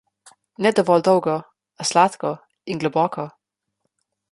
Ne dovolj dolgo, a sladko in globoko.